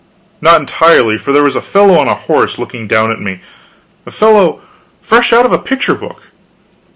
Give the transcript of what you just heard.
Not entirely; for there was a fellow on a horse, looking down at me a fellow fresh out of a picture book.